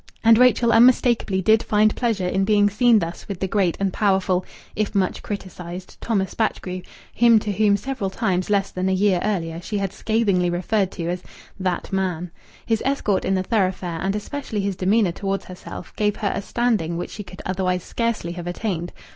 And Rachel unmistakably did find pleasure in being seen thus with the great and powerful, if much criticized, Thomas Batchgrew, him to whom several times, less than a year earlier, she had scathingly referred as that man. His escort in the thoroughfare, and especially his demeanour towards herself, gave her a standing which she could otherwise scarcely have attained.